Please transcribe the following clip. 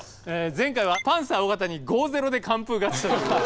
前回はパンサー尾形に５−０で完封勝ちということで。